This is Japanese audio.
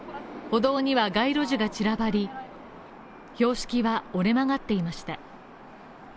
歩道には街路樹が散らばり、標識は折れ曲がっていました。